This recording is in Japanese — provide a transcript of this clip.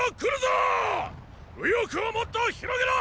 右翼をもっと広げろーっ！